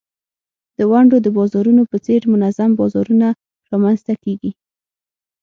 د ونډو د بازارونو په څېر منظم بازارونه رامینځته کیږي.